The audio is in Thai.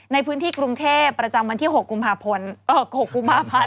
ในพื้นที่กรุงเทพฯประจำวันที่๖กุมภาพลอ่อ๖กุมภาพล